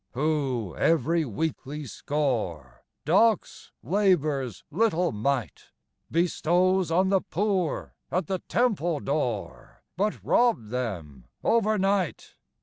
Who every weekly score Docks labor's little mite, Bestows on the poor at the temple door, But robb'd them over night.